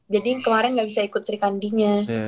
jadi kemarin gak bisa ikut sri kandinya